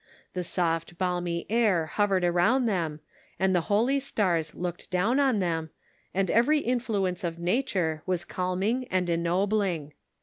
The soft balmy air hovered around them, and the holy stars looked down on them, and every influence of nature was calming and ennobling.